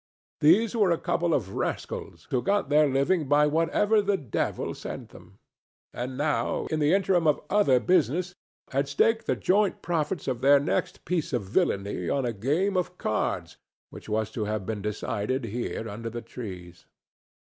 These were a couple of rascals who got their living by whatever the devil sent them, and now, in the interim of other business, had staked the joint profits of their next piece of villainy on a game of cards which was to have been decided here under the trees.